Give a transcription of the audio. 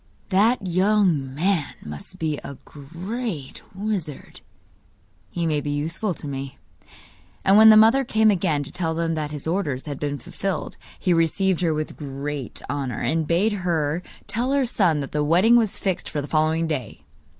'That young man must be a great wizard; he may be useful to me.' And when the mother came again to tell him that his orders had been fulfilled he received her with great honour, and bade her tell her son that the wedding was fixed for the following day.